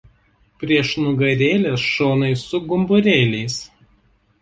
Priešnugarėlės šonai su gumburėliais.